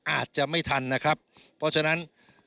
อาจจะไม่ทันนะครับเพราะฉะนั้น